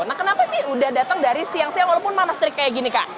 nah kenapa sih udah datang dari siang siang walaupun panas terik kayak gini kak